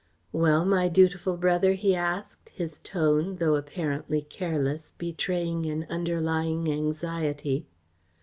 "Well, my dutiful brother?" he asked, his tone, though apparently careless, betraying an underlying anxiety.